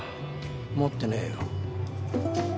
持ってねえよ。